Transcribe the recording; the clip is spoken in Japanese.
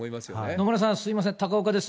野村さん、すみません、高岡です。